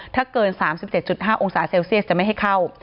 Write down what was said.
ถ้าเกิน๓๗๕องศาเซลเซียสจะไม่ให้เข้า